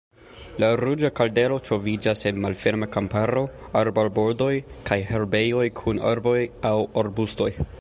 La Ruĝa kardelo troviĝas en malferma kamparo, arbarbordoj kaj herbejoj kun arboj aŭ arbustoj.